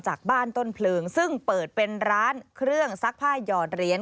จากบ้านต้นเพลิงซึ่งเปิดเป็นร้านเครื่องซักผ้าหยอดเหรียญ